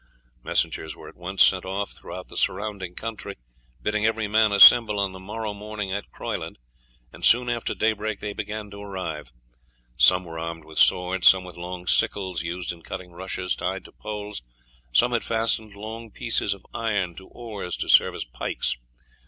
Messengers were at once sent off through the surrounding country bidding every man assemble on the morrow morning at Croyland, and soon after daybreak they began to arrive. Some were armed with swords, some with long sickles, used in cutting rushes, tied to poles, some had fastened long pieces of iron to oars to serve as pikes.